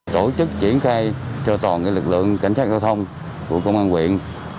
tổ chức triển khai cho toàn lực lượng cảnh sát giao thông của công an quyện